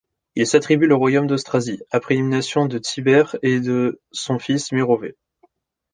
Il s'attribue le royaume d'Austrasie, après l'élimination de Thibert et de son fils Mérovée.